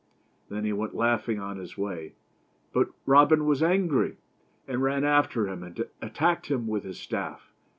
Then he went laughing on his way. But Robin was angry, and ran after him, and attacked him with his staff.